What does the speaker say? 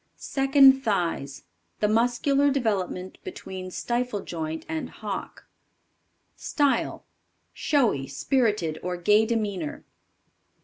Second Thighs. The muscular development between stifle joint and hock. Style. Showy, spirited, or gay demeanor.